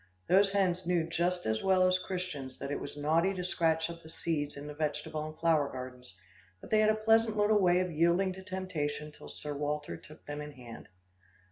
Those hens knew just as well as Christians that it was naughty to scratch up the seeds in the vegetable and flower gardens, but they had a pleasant little way of yielding to temptation till Sir Walter took them in hand.